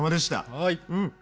はい！